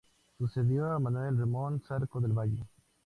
Sucedió a Manuel Remón Zarco del Valle.